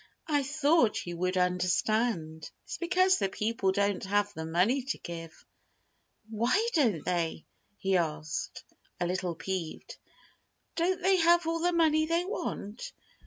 "I thought you would understand. It's because the people don't have the money to give." "Why don't they?" he asked, a little peeved. "Don't they have all the money they want?"